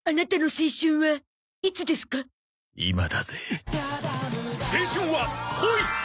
青春は恋